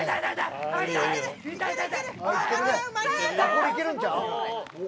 これいけるんちゃう？」